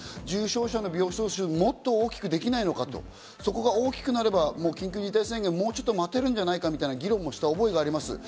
重症者の病床数をもっと大きくできないかと、そこが大きくなれば緊急事態宣言をもう少し待てるんじゃないかという話をした覚えがあります。